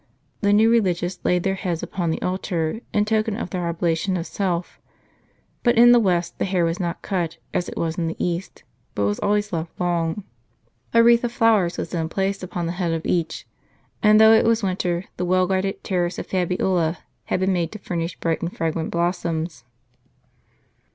The new religious laid their heads upon the altar, in token of their oblation of self. But in the West, the hair was not cut, as it was in the East, but was always left long. A wreath of flowers was then placed upon the head of each ; and though it was winter, the well guarded terrace of Fabiola had been made to furnish bright and fragrant blossoms.